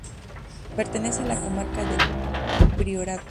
Pertenece a la comarca del Priorato.